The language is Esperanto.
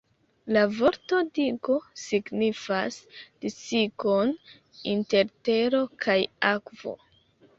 La vorto 'digo' signifas disigon inter tero kaj akvo.